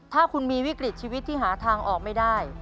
ถ้าคุณมีวิกฤตชีวิตที่หาทางออกไม่ได้